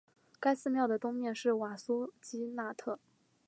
该寺庙的东面是瓦苏基纳特。